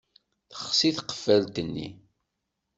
Texsi tqeffalt-nni.